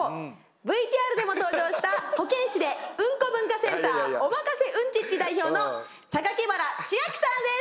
ＶＴＲでも登場した保健師でうんこ文化センターおまかせうんチッチ代表の原千秋さんです。